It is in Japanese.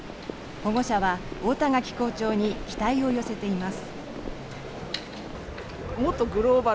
保護者は太田垣校長に期待を寄せています。